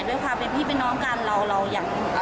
เรายังไม่ได้อุณเลย